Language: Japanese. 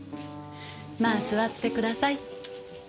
まあ座ってください。